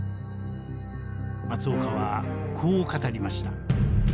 松岡はこう語りました。